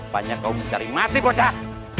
banyak kau bicari mati bocak